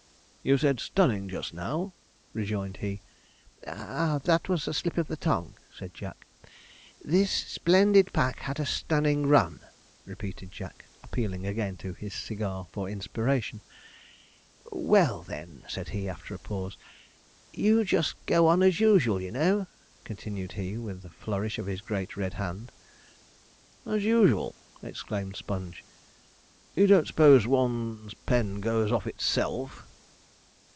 'You said stunning just now,' rejoined he. 'Ah, that was a slip of the tongue,' said Jack. 'This splendid pack had a stunning run,' repeated Jack, appealing again to his cigar for inspiration; 'well, then,' said he, after a pause, 'you just go on as usual, you know,' continued he, with a flourish of his great red hand. 'As usual!' exclaimed Sponge, 'you don't s'pose one's pen goes of itself.'